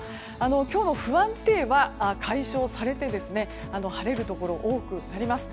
今日の不安定は解消されて晴れるところが多くなります。